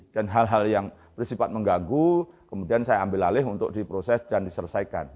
dan hal hal yang bersifat mengganggu kemudian saya ambil alih untuk diproses dan diselesaikan